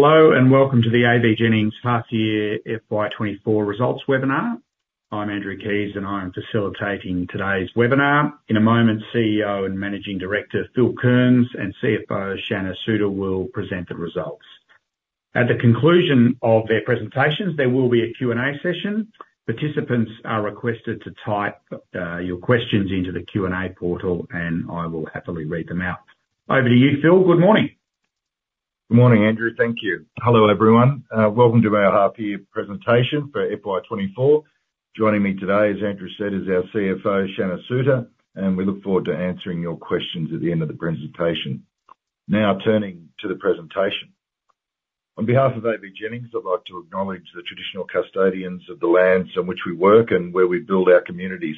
Hello, and welcome to the AVJennings half year FY 2024 results webinar. I'm Andrew Keys, and I'm facilitating today's webinar. In a moment, CEO and Managing Director, Phil Kearns, and CFO, Shanna Souter, will present the results. At the conclusion of their presentations, there will be a Q&A session. Participants are requested to type your questions into the Q&A portal, and I will happily read them out. Over to you, Phil. Good morning! Good morning, Andrew. Thank you. Hello, everyone. Welcome to our half year presentation for FY 2024. Joining me today, as Andrew said, is our CFO, Shanna Souter, and we look forward to answering your questions at the end of the presentation. Now, turning to the presentation. On behalf of AVJennings, I'd like to acknowledge the traditional custodians of the lands on which we work and where we build our communities,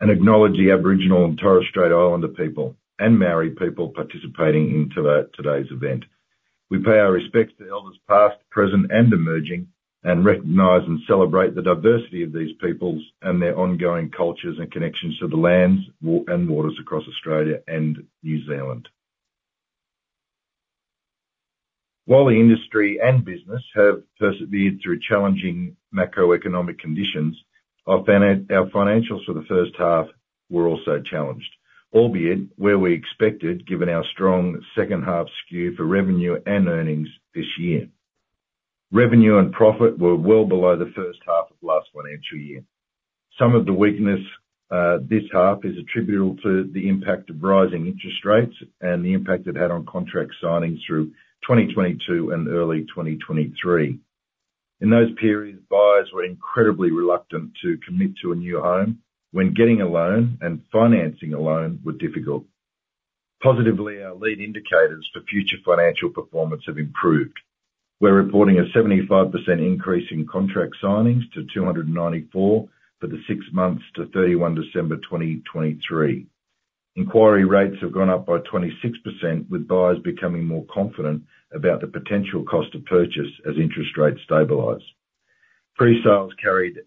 and acknowledge the Aboriginal and Torres Strait Islander people and Maori people participating in today's event. We pay our respects to elders past, present, and emerging, and recognize and celebrate the diversity of these peoples and their ongoing cultures and connections to the lands and waters across Australia and New Zealand. While the industry and business have persevered through challenging macroeconomic conditions, our financials for the first half were also challenged, albeit where we expected, given our strong second half skew for revenue and earnings this year. Revenue and profit were well below the first half of last financial year. Some of the weakness this half is attributable to the impact of rising interest rates and the impact it had on contract signings through 2022 and early 2023. In those periods, buyers were incredibly reluctant to commit to a new home when getting a loan and financing a loan were difficult. Positively, our lead indicators for future financial performance have improved. We're reporting a 75% increase in contract signings to 294 for the six months to December 31, 2023. Inquiry rates have gone up by 26%, with buyers becoming more confident about the potential cost of purchase as interest rates stabilize. Pre-sales carried,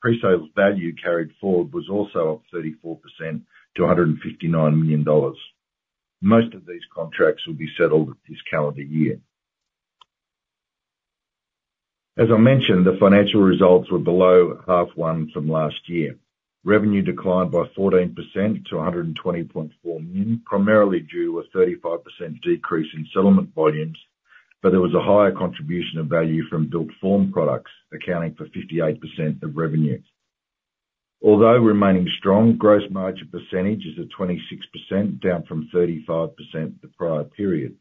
pre-sales value carried forward was also up 34% to 159 million dollars. Most of these contracts will be settled this calendar year. As I mentioned, the financial results were below half one from last year. Revenue declined by 14% to 120.4 million, primarily due to a 35% decrease in settlement volumes, but there was a higher contribution of value from built form products, accounting for 58% of revenue. Although remaining strong, gross margin percentage is at 26%, down from 35% the prior period.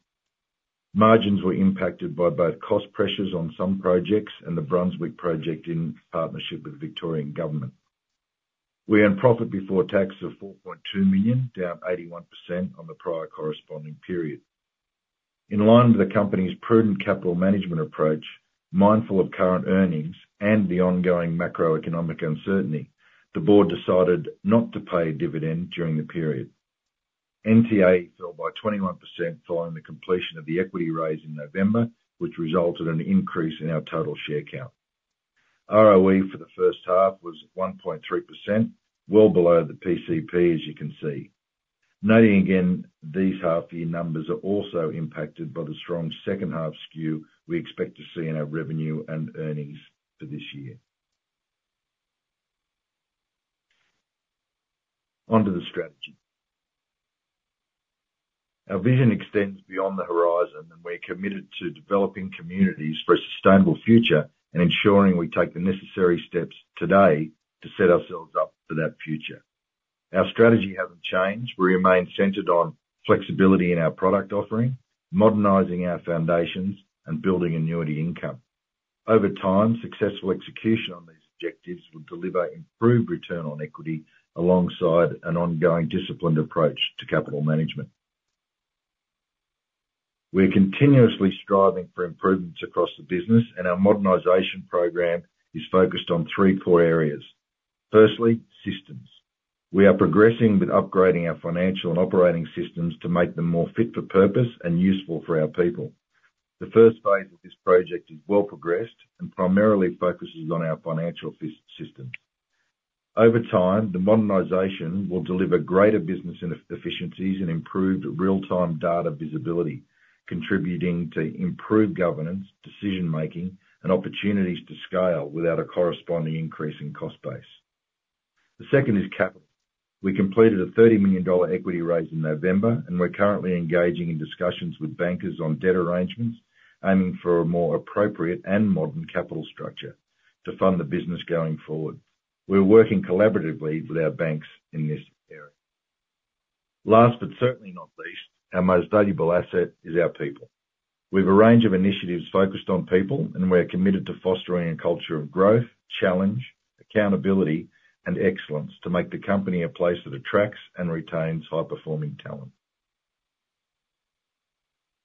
Margins were impacted by both cost pressures on some projects and the Brunswick project in partnership with the Victorian Government. We had profit before tax of 4.2 million, down 81% on the prior corresponding period. In line with the company's prudent capital management approach, mindful of current earnings and the ongoing macroeconomic uncertainty, the board decided not to pay a dividend during the period. NTA fell by 21% following the completion of the equity raise in November, which resulted in an increase in our total share count. ROE for the first half was 1.3%, well below the PCP, as you can see. Noting again, these half year numbers are also impacted by the strong second half skew we expect to see in our revenue and earnings for this year. Onto the strategy. Our vision extends beyond the horizon, and we're committed to developing communities for a sustainable future and ensuring we take the necessary steps today to set ourselves up for that future. Our strategy hasn't changed. We remain centered on flexibility in our product offering, modernizing our foundations, and building annuity income. Over time, successful execution on these objectives will deliver improved return on equity alongside an ongoing disciplined approach to capital management. We're continuously striving for improvements across the business, and our modernization program is focused on three core areas. Firstly, systems. We are progressing with upgrading our financial and operating systems to make them more fit for purpose and useful for our people. The first phase of this project is well progressed and primarily focuses on our financial system. Over time, the modernization will deliver greater business and efficiencies and improved real-time data visibility, contributing to improved governance, decision-making, and opportunities to scale without a corresponding increase in cost base. The second is capital. We completed an 30 million dollar equity raise in November, and we're currently engaging in discussions with bankers on debt arrangements, aiming for a more appropriate and modern capital structure to fund the business going forward. We're working collaboratively with our banks in this area. Last, but certainly not least, our most valuable asset is our people. We have a range of initiatives focused on people, and we are committed to fostering a culture of growth, challenge, accountability, and excellence to make the company a place that attracts and retains high-performing talent.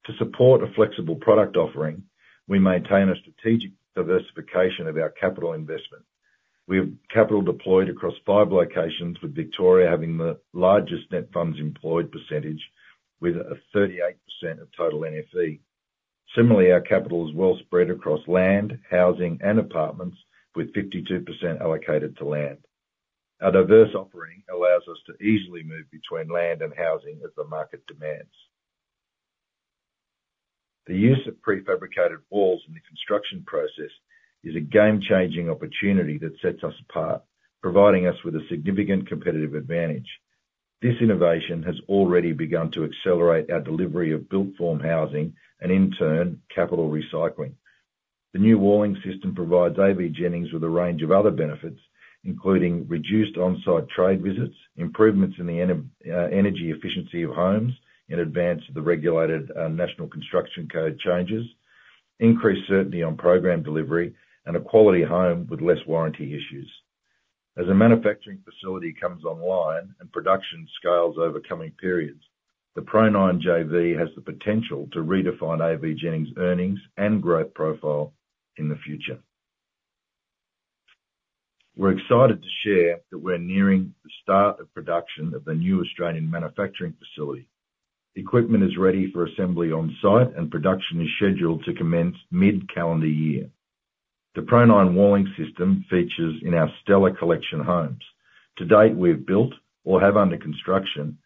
To support a flexible product offering, we maintain a strategic diversification of our capital investment. We have capital deployed across five locations, with Victoria having the largest net funds employed percentage, with a 38% of total NFE. Similarly, our capital is well spread across land, housing, and apartments, with 52% allocated to land.... Our diverse offering allows us to easily move between land and housing as the market demands. The use of prefabricated walls in the construction process is a game-changing opportunity that sets us apart, providing us with a significant competitive advantage. This innovation has already begun to accelerate our delivery of built-form housing, and in turn, capital recycling. The new walling system provides AVJennings with a range of other benefits, including reduced on-site trade visits, improvements in the energy efficiency of homes in advance of the regulated national construction code changes, increased certainty on program delivery, and a quality home with less warranty issues. As a manufacturing facility comes online and production scales over coming periods, the Pro9 JV has the potential to redefine AVJennings earnings and growth profile in the future. We're excited to share that we're nearing the start of production of the new Australian manufacturing facility. Equipment is ready for assembly on site, and production is scheduled to commence mid-calendar year. The Pro9 walling system features in our Stella Collection homes. To date, we have built or have under construction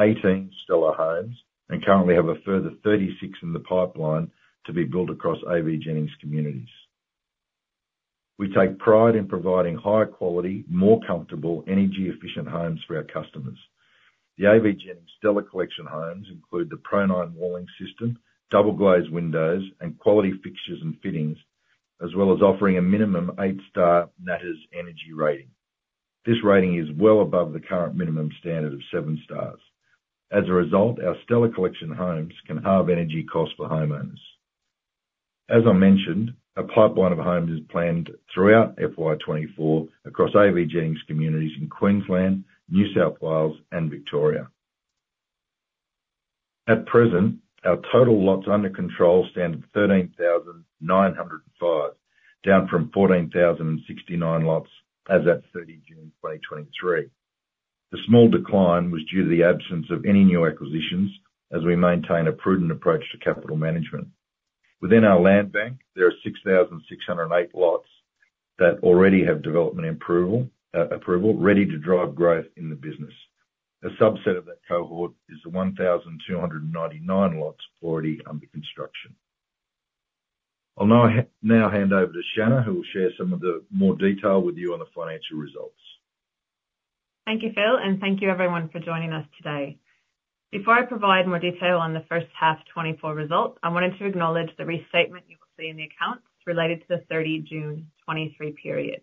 18 Stella homes, and currently have a further 36 in the pipeline to be built across AVJennings communities. We take pride in providing higher quality, more comfortable, energy-efficient homes for our customers. The AVJennings Stella Collection homes include the Pro9 walling system, double-glazed windows, and quality fixtures and fittings, as well as offering a minimum eight-star NatHERS energy rating. This rating is well above the current minimum standard of seven stars. As a result, our Stella Collection homes can halve energy costs for homeowners. As I mentioned, a pipeline of homes is planned throughout FY 2024 across AVJennings communities in Queensland, New South Wales, and Victoria. At present, our total lots under control stand at 13,905, down from 14,069 lots as at June 30, 2023. The small decline was due to the absence of any new acquisitions, as we maintain a prudent approach to capital management. Within our land bank, there are 6,608 lots that already have development approval ready to drive growth in the business. A subset of that cohort is the 1,299 lots already under construction. I'll now hand over to Shanna, who will share some of the more detail with you on the financial results. Thank you, Phil, and thank you everyone for joining us today. Before I provide more detail on the first half 2024 results, I wanted to acknowledge the restatement you will see in the accounts related to the June 30, 2023 period.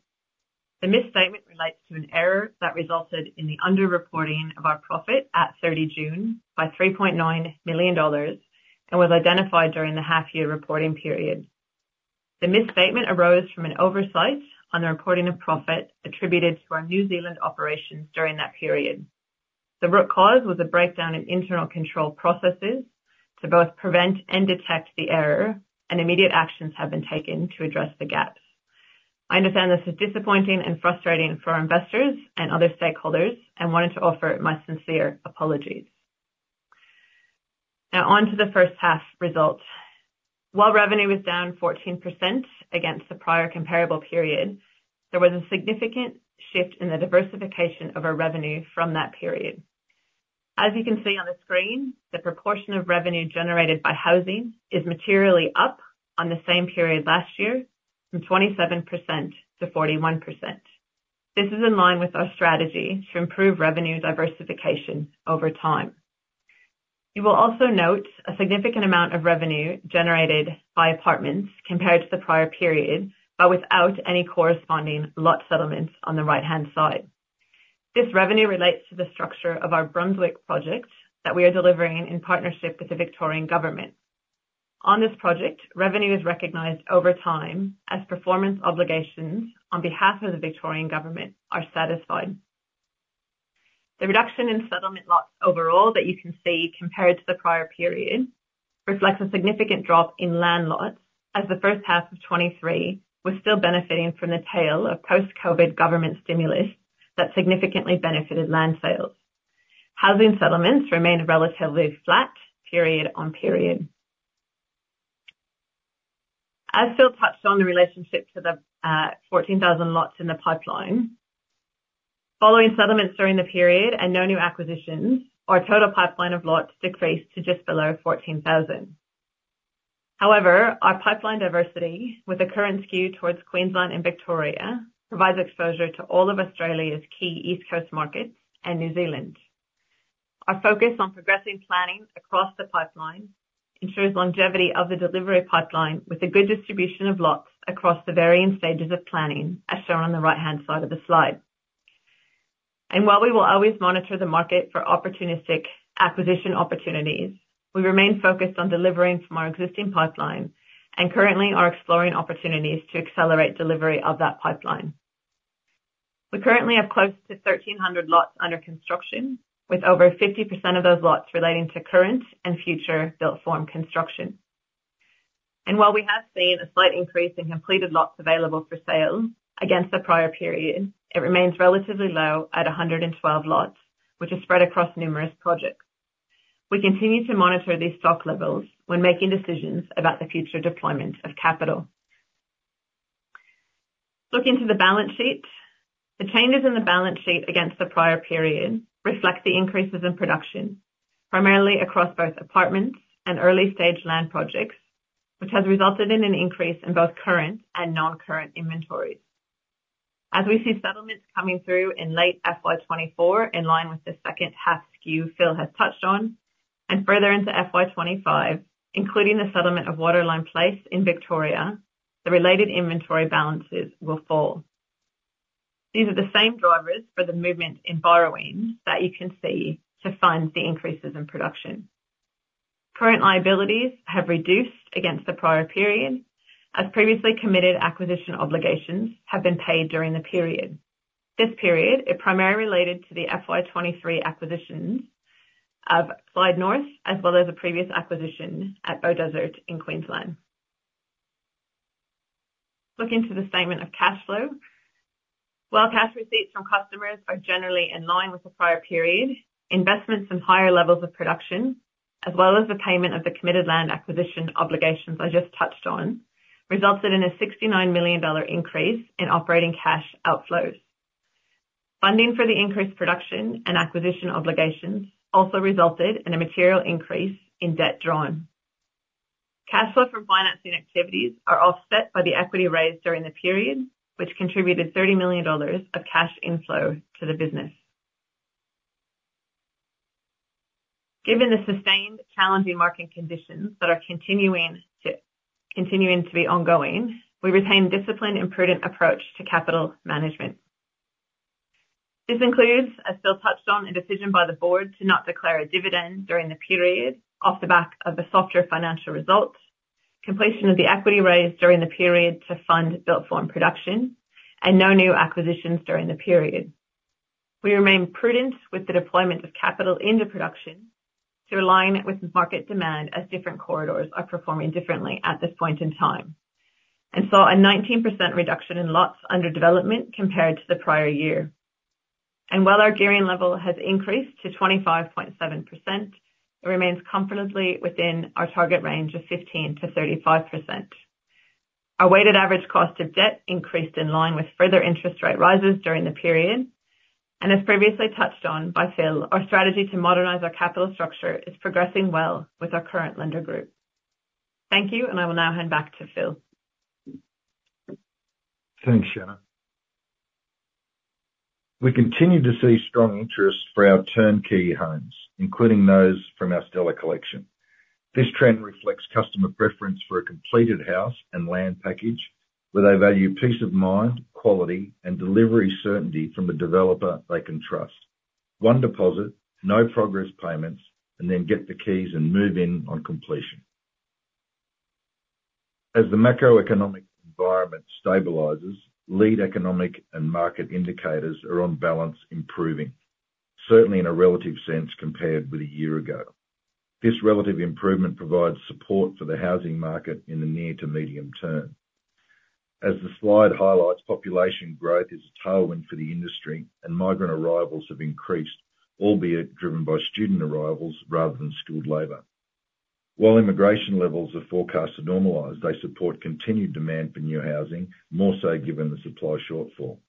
The misstatement relates to an error that resulted in the underreporting of our profit at June 30 by 3.9 million dollars, and was identified during the half-year reporting period. The misstatement arose from an oversight on the reporting of profit attributed to our New Zealand operations during that period. The root cause was a breakdown in internal control processes to both prevent and detect the error, and immediate actions have been taken to address the gaps. I understand this is disappointing and frustrating for our investors and other stakeholders, and wanted to offer my sincere apologies. Now, on to the first half results. While revenue was down 14% against the prior comparable period, there was a significant shift in the diversification of our revenue from that period. As you can see on the screen, the proportion of revenue generated by housing is materially up on the same period last year, from 27%-41%. This is in line with our strategy to improve revenue diversification over time. You will also note a significant amount of revenue generated by apartments compared to the prior period, but without any corresponding lot settlements on the right-hand side. This revenue relates to the structure of our Brunswick project that we are delivering in partnership with the Victorian Government. On this project, revenue is recognized over time as performance obligations on behalf of the Victorian Government are satisfied. The reduction in settlement lots overall that you can see compared to the prior period, reflects a significant drop in land lots, as the first half of 2023 was still benefiting from the tail of post-COVID government stimulus that significantly benefited land sales. Housing settlements remained relatively flat period-on-period. As Phil touched on the relationship to the fourteen thousand lots in the pipeline, following settlements during the period and no new acquisitions, our total pipeline of lots decreased to just below 14,000. However, our pipeline diversity, with the current skew towards Queensland and Victoria, provides exposure to all of Australia's key East Coast markets and New Zealand. Our focus on progressing planning across the pipeline ensures longevity of the delivery pipeline, with a good distribution of lots across the varying stages of planning, as shown on the right-hand side of the slide. And while we will always monitor the market for opportunistic acquisition opportunities, we remain focused on delivering from our existing pipeline, and currently are exploring opportunities to accelerate delivery of that pipeline. We currently have close to 1,300 lots under construction, with over 50% of those lots relating to current and future built-form construction. While we have seen a slight increase in completed lots available for sale against the prior period, it remains relatively low at 112 lots, which is spread across numerous projects... We continue to monitor these stock levels when making decisions about the future deployment of capital. Looking to the balance sheet, the changes in the balance sheet against the prior period reflect the increases in production, primarily across both apartments and early-stage land projects, which has resulted in an increase in both current and non-current inventories. As we see settlements coming through in late FY 2024, in line with the second half skew Phil has touched on, and further into FY 2025, including the settlement of Waterline Place in Victoria, the related inventory balances will fall. These are the same drivers for the movement in borrowing that you can see to fund the increases in production. Current liabilities have reduced against the prior period, as previously committed acquisition obligations have been paid during the period. This period is primarily related to the FY 2023 acquisitions of Clyde North, as well as a previous acquisition at Beaudesert in Queensland. Looking to the statement of cash flow. While cash receipts from customers are generally in line with the prior period, investments in higher levels of production, as well as the payment of the committed land acquisition obligations I just touched on, resulted in a 69 million dollar increase in operating cash outflows. Funding for the increased production and acquisition obligations also resulted in a material increase in debt drawn. Cash flow from financing activities are offset by the equity raised during the period, which contributed 30 million dollars of cash inflow to the business. Given the sustained challenging market conditions that are continuing to be ongoing, we retain discipline and prudent approach to capital management. This includes, as Phil touched on, a decision by the board to not declare a dividend during the period off the back of the softer financial results, completion of the equity raise during the period to fund built form production, and no new acquisitions during the period. We remain prudent with the deployment of capital into production to align it with market demand, as different corridors are performing differently at this point in time, and saw a 19% reduction in lots under development compared to the prior year. And while our gearing level has increased to 25.7%, it remains comfortably within our target range of 15%-35%. Our weighted average cost of debt increased in line with further interest rate rises during the period, and as previously touched on by Phil, our strategy to modernize our capital structure is progressing well with our current lender group. Thank you, and I will now hand back to Phil. Thanks, Shanna. We continue to see strong interest for our turnkey homes, including those from our Stella Collection. This trend reflects customer preference for a completed house and land package, where they value peace of mind, quality, and delivery certainty from a developer they can trust. One deposit, no progress payments, and then get the keys and move in on completion. As the macroeconomic environment stabilizes, leading economic and market indicators are on balance improving, certainly in a relative sense compared with a year ago. This relative improvement provides support for the housing market in the near to medium term. As the slide highlights, population growth is a tailwind for the industry, and migrant arrivals have increased, albeit driven by student arrivals rather than skilled labor. While immigration levels are forecast to normalize, they support continued demand for new housing, more so given the supply shortfall.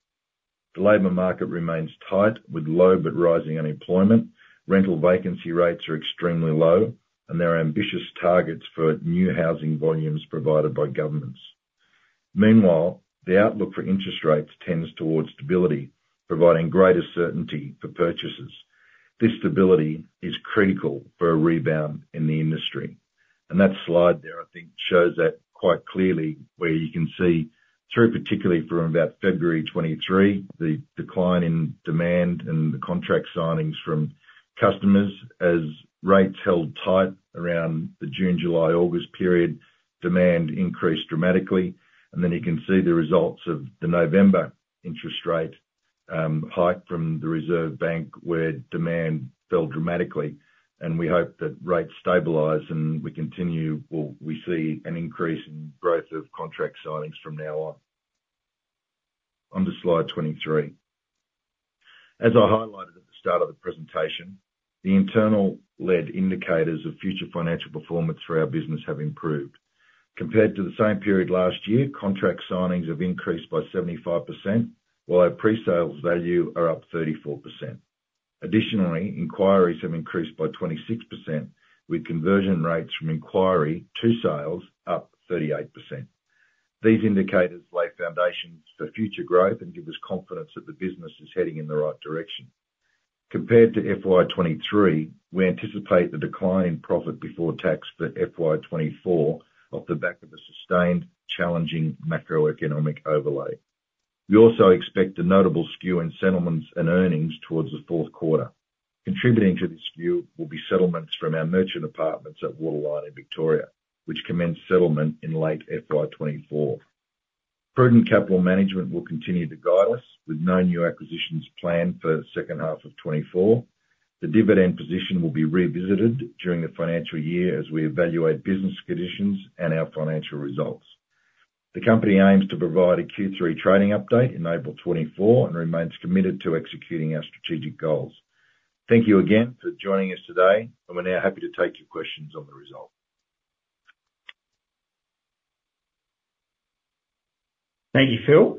The labor market remains tight, with low but rising unemployment. Rental vacancy rates are extremely low, and there are ambitious targets for new housing volumes provided by governments. Meanwhile, the outlook for interest rates tends towards stability, providing greater certainty for purchasers. This stability is critical for a rebound in the industry, and that slide there, I think, shows that quite clearly, where you can see through, particularly from about February 2023, the decline in demand and the contract signings from customers. As rates held tight around the June, July, August period, demand increased dramatically, and then you can see the results of the November interest rate hike from the Reserve Bank, where demand fell dramatically. And we hope that rates stabilize and we continue... Well, we see an increase in growth of contract signings from now on. On to slide 23. As I highlighted at the start of the presentation, the internal lead indicators of future financial performance for our business have improved. Compared to the same period last year, contract signings have increased by 75%, while our pre-sales value are up 34%. Additionally, inquiries have increased by 26%, with conversion rates from inquiry to sales up 38%. These indicators lay foundations for future growth and give us confidence that the business is heading in the right direction. Compared to FY 2023, we anticipate the decline in profit before tax for FY 2024, off the back of a sustained challenging macroeconomic overlay. We also expect a notable skew in settlements and earnings towards the fourth quarter. Contributing to this skew will be settlements from our merchant apartments at Waterline in Victoria, which commenced settlement in late FY 2024. Prudent capital management will continue to guide us, with no new acquisitions planned for the second half of 2024. The dividend position will be revisited during the financial year as we evaluate business conditions and our financial results. The company aims to provide a Q3 trading update in April 2024, and remains committed to executing our strategic goals. Thank you again for joining us today, and we're now happy to take your questions on the result. Thank you, Phil.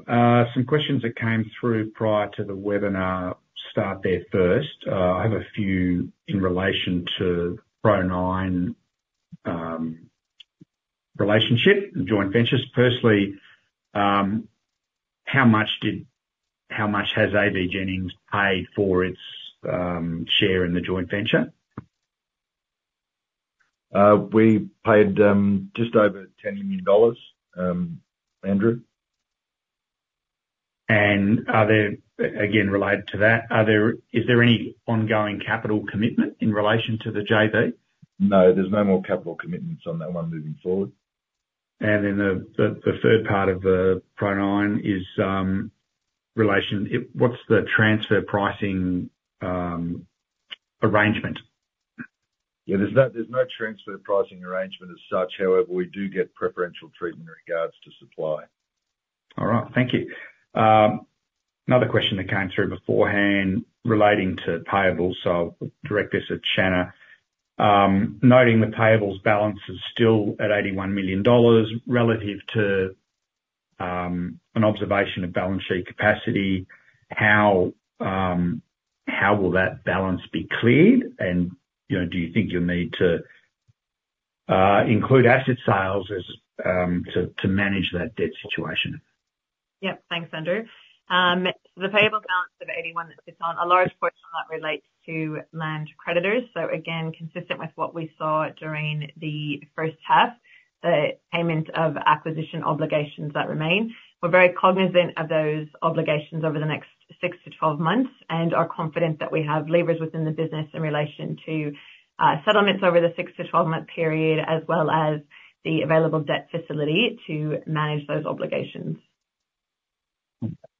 Some questions that came through prior to the webinar, start there first. I have a few in relation to Pro9, relationship and joint ventures. Firstly, how much has AVJennings paid for its, share in the joint venture? We paid just over AUD 10 million, Andrew. Again, related to that, is there any ongoing capital commitment in relation to the JV? No, there's no more capital commitments on that one moving forward. Then the third part of the Pro9 is relation. What's the transfer pricing arrangement? Yeah, there's no, there's no transfer pricing arrangement as such. However, we do get preferential treatment in regards to supply. All right. Thank you. Another question that came through beforehand relating to payables, so I'll direct this at Shanna. Noting the payables balance is still at 81 million dollars relative to, an observation of balance sheet capacity, how, how will that balance be cleared? And, you know, do you think you'll need to, include asset sales as, to, to manage that debt situation? Yep. Thanks, Andrew. The payable balance of 81 that sits on, a large portion of that relates to land creditors. So again, consistent with what we saw during the first half, the payment of acquisition obligations that remain. We're very cognizant of those obligations over the next six-12 months, and are confident that we have levers within the business in relation to, settlements over the six-12-month period, as well as the available debt facility to manage those obligations.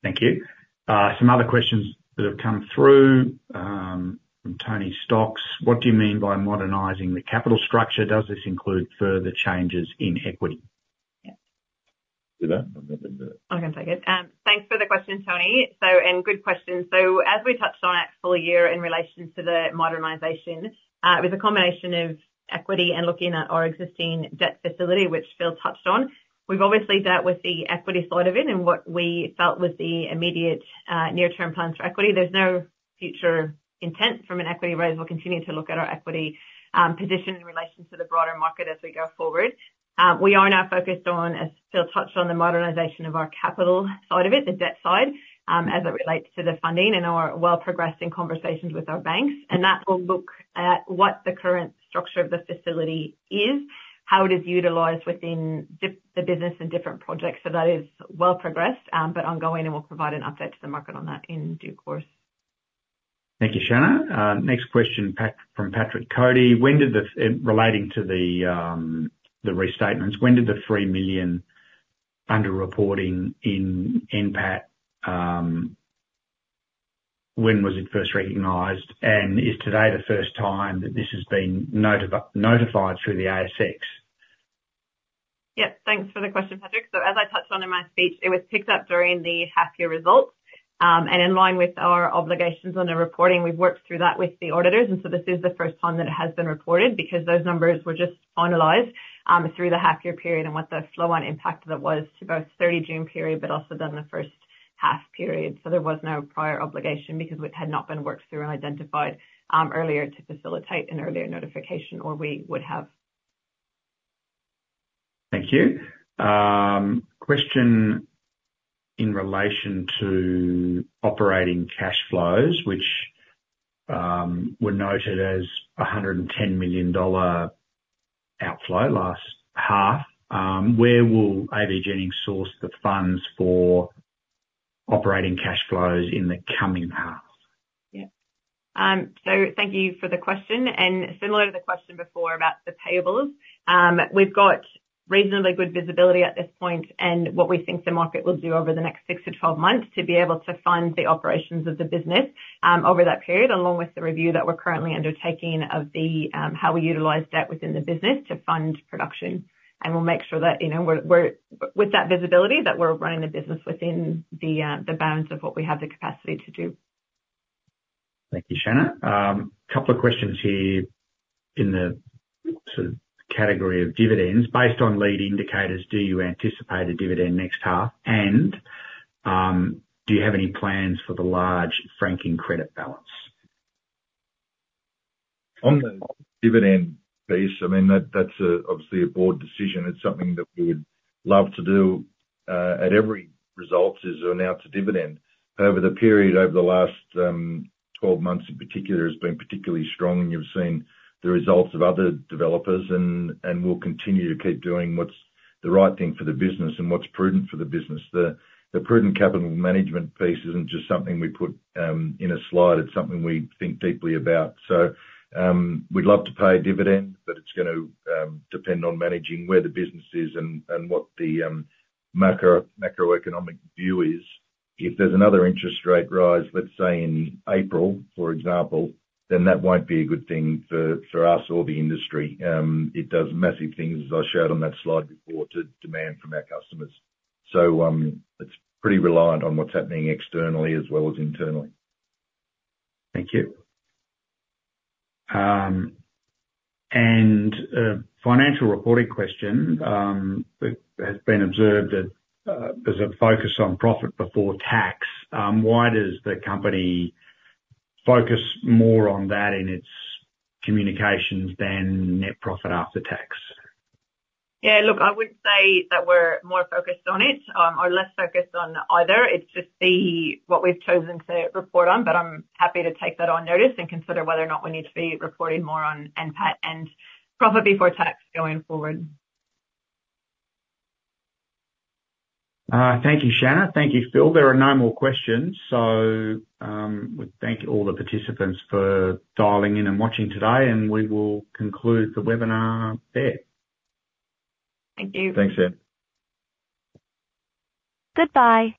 Thank you. Some other questions that have come through, from Tony Stocks. What do you mean by modernizing the capital structure? Does this include further changes in equity? Yeah. Do that? I can take it. Thanks for the question, Tony. So, and good question. So as we touched on at full year in relation to the modernization, it was a combination of equity and looking at our existing debt facility, which Phil touched on. We've obviously dealt with the equity side of it and what we felt was the immediate, near-term plans for equity. There's no future intent from an equity raise. We'll continue to look at our equity, position in relation to the broader market as we go forward. We are now focused on, as Phil touched on, the modernization of our capital side of it, the debt side, as it relates to the funding and are well progressed in conversations with our banks. That will look at what the current structure of the facility is, how it is utilized within the business and different projects. That is well progressed, but ongoing, and we'll provide an update to the market on that in due course. Thank you, Shanna. Next question from Patrick Cody: Relating to the restatements, when did the 3 million underreporting in NPAT, when was it first recognized? And is today the first time that this has been notified through the ASX? Yep. Thanks for the question, Patrick. So as I touched on in my speech, it was picked up during the half year results. In line with our obligations on the reporting, we've worked through that with the auditors, and so this is the first time that it has been reported, because those numbers were just finalized, through the half year period and what the flow-on impact of it was to both June 30 period, but also then the first half period. There was no prior obligation, because it had not been worked through and identified, earlier, to facilitate an earlier notification, or we would have. Thank you. Question in relation to operating cash flows, which were noted as 110 million dollar outflow last half. Where will AVJennings source the funds for operating cash flows in the coming half? Yeah. So thank you for the question, and similar to the question before about the payables, we've got reasonably good visibility at this point and what we think the market will do over the next six-12 months to be able to fund the operations of the business over that period. Along with the review that we're currently undertaking of how we utilize debt within the business to fund production. We'll make sure that, you know, we're with that visibility that we're running the business within the bounds of what we have the capacity to do. Thank you, Shanna. A couple of questions here in the sort of category of dividends. Based on lead indicators, do you anticipate a dividend next half? And, do you have any plans for the large franking credit balance? On the dividend piece, I mean, that's obviously a board decision. It's something that we would love to do at every result, is announce a dividend. Over the period, over the last 12 months in particular, has been particularly strong, and you've seen the results of other developers. And we'll continue to keep doing what's the right thing for the business and what's prudent for the business. The prudent capital management piece isn't just something we put in a slide, it's something we think deeply about. So, we'd love to pay a dividend, but it's gonna depend on managing where the business is and what the macroeconomic view is. If there's another interest rate rise, let's say in April, for example, then that won't be a good thing for us or the industry. It does massive things, as I showed on that slide before, to demand from our customers. So, it's pretty reliant on what's happening externally as well as internally. Thank you. A financial reporting question, it has been observed that there's a focus on profit before tax. Why does the company focus more on that in its communications than net profit after tax? Yeah, look, I wouldn't say that we're more focused on it, or less focused on either. It's just what we've chosen to report on, but I'm happy to take that on notice and consider whether or not we need to be reporting more on NPAT and profit before tax going forward. Thank you, Shanna. Thank you, Phil. There are no more questions, so, we thank all the participants for dialing in and watching today, and we will conclude the webinar there. Thank you. Thanks, Andrew. Goodbye.